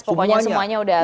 pokoknya semuanya udah